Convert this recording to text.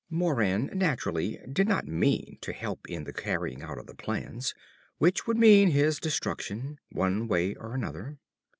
Moran, naturally, did not mean to help in the carrying out of the plans which would mean his destruction one way or another.